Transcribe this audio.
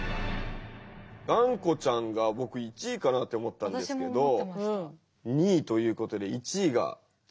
「がんこちゃん」が僕１位かなって思ったんですけど２位ということで１位が違う番組なんです。